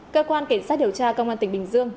cơ quan kiểm soát điều tra công an tỉnh bình dương